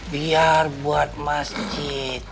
biar buat masjid